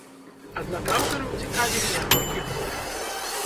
Аднак аўтараў цікавалі не толькі грошы.